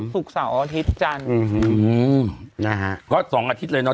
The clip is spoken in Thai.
ภาพจรอาทิตย์จันทร์อือฮืมเขาต่อสองอาทิตย์เลยเนอะ